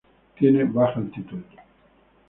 Tiene baja altitud.